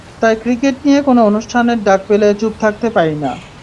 তাই ক্রিকেট নিয়ে কোনো অনুষ্ঠানের ডাক পেলে চুপ থাকতে পারি না।